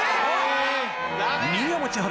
新山千春